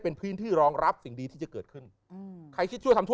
เป็นพื้นที่รองรับสิ่งดีที่จะเกิดขึ้นใช้ที่ทั่วทำทั่ว